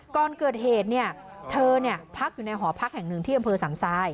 ก่อนเกิดเหตุเนี่ยเธอพักอยู่ในหอพักแห่งหนึ่งที่อำเภอสันทราย